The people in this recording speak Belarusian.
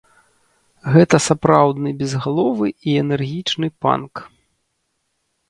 Гэта сапраўдны безгаловы і энергічны панк.